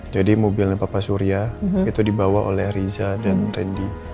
jadi mobilnya papa surya itu dibawa oleh riza dan rendy